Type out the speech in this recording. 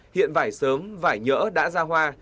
hiện vải sớm vải nhỡ đã ra hoa